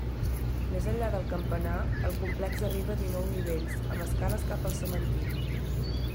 Més enllà del campanar, el complex arriba a dinou nivells, amb escales cap al cementiri.